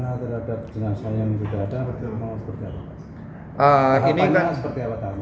apa yang seperti awal tadi